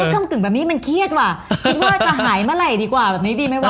กำกึ่งแบบนี้มันเครียดว่ะคิดว่าจะหายเมื่อไหร่ดีกว่าแบบนี้ดีไหมวะ